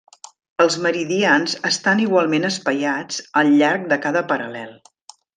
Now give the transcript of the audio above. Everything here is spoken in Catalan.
Els meridians estan igualment espaiats al llarg de cada paral·lel.